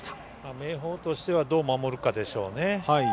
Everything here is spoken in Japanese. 明豊としてはどう守るかでしょうね。